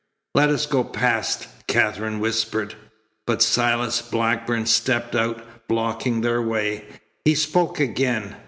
"Let us go past," Katherine whispered. But Silas Blackburn stepped out, blocking their way. He spoke again.